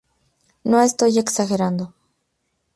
No estoy exagerando.